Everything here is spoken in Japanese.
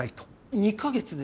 ２か月で？